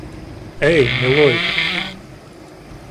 Эй, милой!